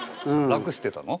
楽してたの？